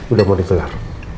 udah mau dikelar